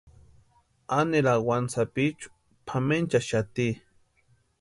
Aneri awani sapichu pʼamenchaxati.